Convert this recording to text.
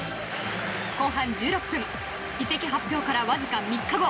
後半１６分移籍発表からわずか３日後